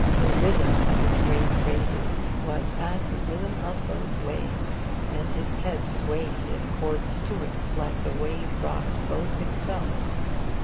The rhythm of his great phrases was as the rhythm of those waves, and his head swayed in accordance to it like the wave rocked boat itself.